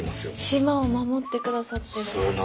島を守ってくださってる。